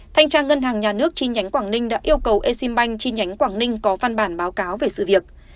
thanh tra ngân hàng nhà nước chi nhánh quảng ninh đã yêu cầu exim bank chi nhánh quảng ninh có văn bản báo cáo về sự việc